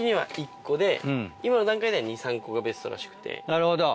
なるほど。